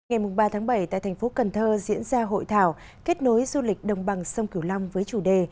ngày ba bảy tại thành phố cần thơ diễn ra hội thảo kết nối du lịch đồng bằng sông cửu long với chủ đề